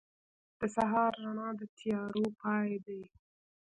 • د سهار رڼا د تیارو پای دی.